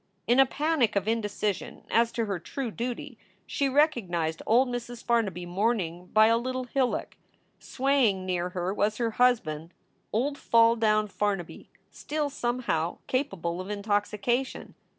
In a panic of indecision as to her true duty, she recognized old Mrs. Farnaby mourning by a little hillock. Swaying near her was her husband, old Fall down Farnaby, still somehow capable of intoxication.